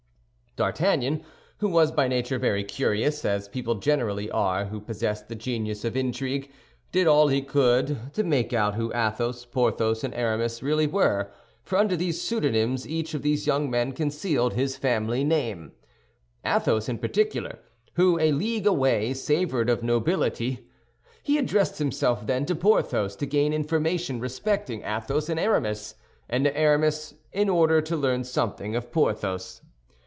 D'Artagnan, who was by nature very curious—as people generally are who possess the genius of intrigue—did all he could to make out who Athos, Porthos, and Aramis really were (for under these pseudonyms each of these young men concealed his family name)—Athos in particular, who, a league away, savored of nobility. He addressed himself then to Porthos to gain information respecting Athos and Aramis, and to Aramis in order to learn something of Porthos.